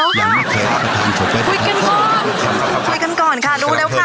คุยกันก่อนค่ะรู้แล้วค่ะรู้แล้วว่าขายเฉาก๊วยรู้แล้วพูดขนาดนี้